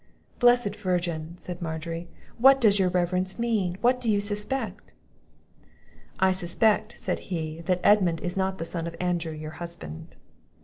"Blessed Virgin!" said Margery, "what does your reverence mean? what do you suspect?" "I suspect," said he, "that Edmund is not the son of Andrew your husband."